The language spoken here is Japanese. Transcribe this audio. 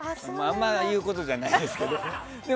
あんまり言うことじゃないですけど。